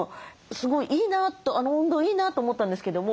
すごいいいなとあの運動いいなと思ったんですけども